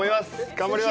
頑張ります。